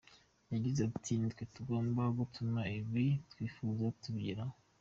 Yagize ati “Nitwe tugomba gutuma ibyo twifuza tubigeraho.